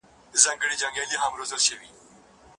حقوقپوهان د نویو تړونونو په متن کي څه شاملوي؟